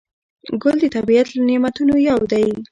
ګل د طبیعت له نعمتونو یو دی.